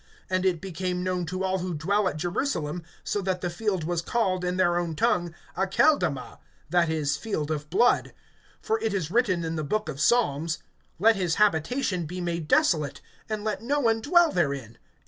(19)And it became known to all who dwell at Jerusalem; so that that field was called, in their own tongue, Aceldama, that is, Field of blood. (20)For it is written in the book of Psalms: Let his habitation be made desolate, And let no one dwell therein.